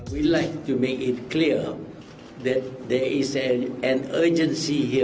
pertama kali ini karena tidak ada pemerintahan malaysia